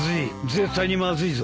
絶対にまずいぞ。